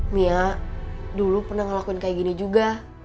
mia dulu pernah ngelakuin kayak gini juga